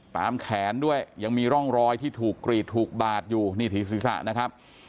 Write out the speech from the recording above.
แขนด้วยยังมีร่องรอยที่ถูกกรีดถูกบาดอยู่นี่ที่ศีรษะนะครับ